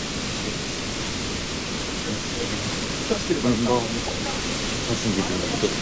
He was later influential in ensuring the chimney was made a listed building.